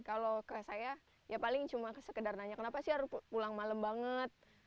kalau ke saya ya paling cuma sekedar nanya kenapa sih harus pulang malam banget